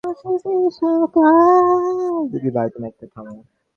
দিদিভাই, তুমি একটু থামো।